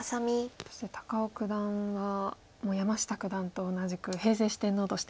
そして高尾九段は山下九段と同じく平成四天王として。